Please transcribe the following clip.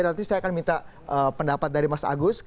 nanti saya akan minta pendapat dari mas agus